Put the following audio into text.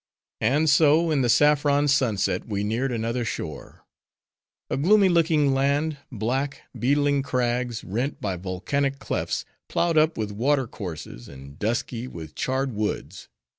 And so, in the saffron sunset, we neared another shore. A gloomy looking land! black, beetling crags, rent by volcanic clefts; ploughed up with water courses, and dusky with charred woods.